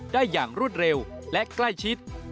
อย่างรวดเร็วและใกล้ชิด